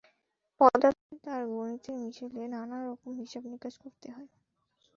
পদার্থবিদ্যা আর গণিতের মিশেলে নানা রকম হিসাব-নিকাশ করতে হয়।